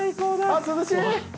あっ涼しい！